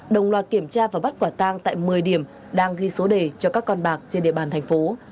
đồng loạt kiểm tra và bắt quả tang tại một mươi điểm đang ghi số đề cho các con bạc trên địa bàn thành phố